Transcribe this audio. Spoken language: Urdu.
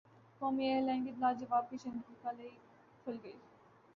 قومی ایئرلائن کے لاجواب کچن کی قلعی کھل گئی